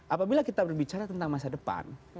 apabila kita berbicara tentang masa depan